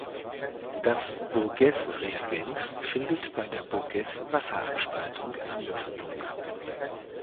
Das Burgess-Reagenz findet bei der Burgess-Wasserabspaltung Anwendung.